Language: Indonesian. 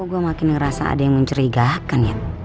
gue makin ngerasa ada yang mencurigakan ya